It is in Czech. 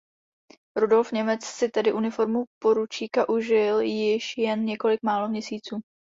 Rudolf Němec si tedy uniformu poručíka užil již jen několik málo měsíců.